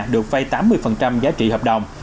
được vây tám mươi giá trị hợp đồng